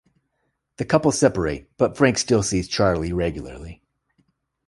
The couple separate, but Frank still sees Charley regularly.